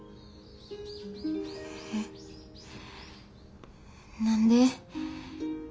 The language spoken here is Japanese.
えっ何で？